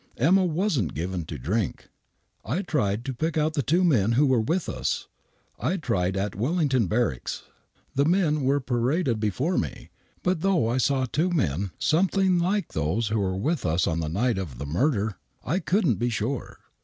* Emma ' wasn't given to drink. I tried to pick out the two men who were with us. I tried at Wellington Barracks. The men were paraded before me; but though I saw two men something like those who were with us on the night of the murder, I couldn't be sure.